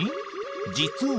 実は］